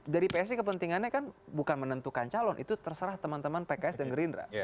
dari psi kepentingannya kan bukan menentukan calon itu terserah teman teman pks dan gerindra